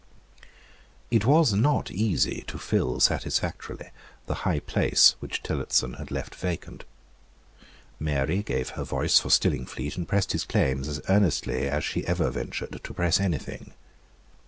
It was not easy to fill satisfactorily the high place which Tillotson had left vacant. Mary gave her voice for Stillingfleet, and pressed his claims as earnestly as she ever ventured to press any thing.